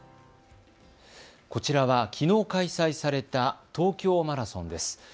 こちらはきのう開催された東京マラソンです。